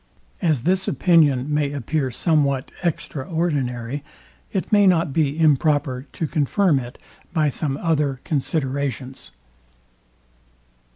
As this opinion may appear somewhat extraordinary, it may not be improper to confirm it by some other considerations.